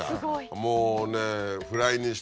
もうね。